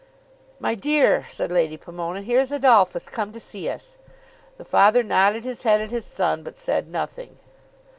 "My dear," said Lady Pomona, "here's Adolphus come to see us." The father nodded his head at his son but said nothing.